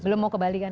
belum mau ke bali kan